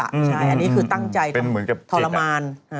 ใช่อันนี้คือตั้งใจทำทรมาน